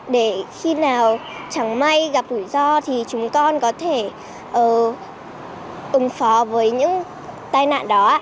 để khi nào chẳng may gặp rủi ro thì chúng con có thể ủng phó với những tai nạn đó ạ